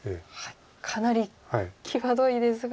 かなり際どいですが。